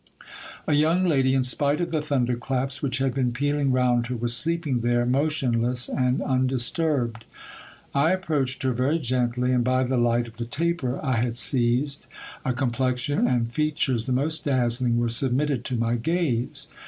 A young lady, in spite of the thunderclaps which had been pealing round her, was sleeping there, motionless and undisturbed. I approached her very gently, and by the light of the taper I had seized, a complexion and features the most dazzling were submitted to my gaze.